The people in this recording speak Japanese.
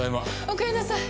おかえりなさい。